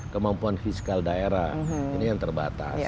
kemampuan fiskal daerah ini yang terbatas